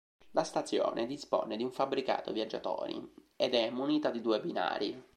La stazione dispone di un fabbricato viaggiatori, ed è munita di due binari.